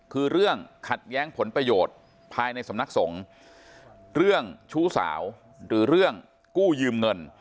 คือเรื่องขัดแย้งผลประโยชน์ภายในสำนักสงฆ์เรื่องชู้สาวหรือเรื่องกู้ยืมเงิน